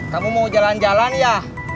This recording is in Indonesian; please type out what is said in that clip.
kamu mau jalan jalan ya